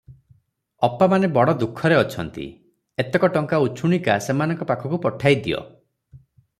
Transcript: ଅପାମାନେ ବଡ଼ ଦୁଃଖରେ ଅଛନ୍ତି, ଏତକ ଟଙ୍କା ଉଛୁଣିକା ସେମାନଙ୍କ ପାଖକୁ ପଠାଇ ଦିଅ ।"